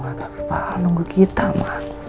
ma tapi pak al nunggu kita ma